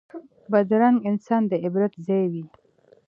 بدرنګه انسان د عبرت ځای وي